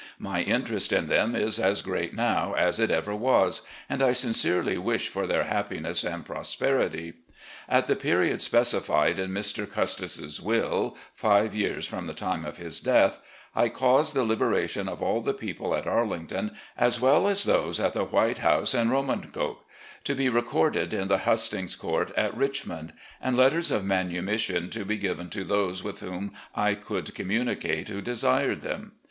My interest in them is as great now as it ever was, and I sincerely wish for their happiness and prosperity. At the period specified in Mr. Custis's will — five years from the time of his death — I caused the libera> tion of all the people at Arlington, as well as those at the White House and Romancoke, to be recorded in the Hustings Court at Richmond; and letters of manumission to be given to those with whom I could communicate who desired them.